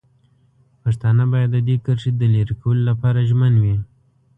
پښتانه باید د دې کرښې د لرې کولو لپاره ژمن وي.